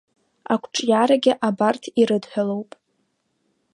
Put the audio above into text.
Ақәҿиарагьы абарҭ ирыдҳәалоуп…